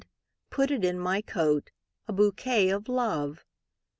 put it in my coat,A bouquet of Love!